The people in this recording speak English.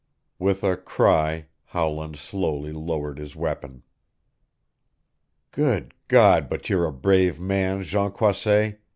With a cry Howland slowly lowered his weapon. "Good God, but you're a brave man, Jean Croisset!"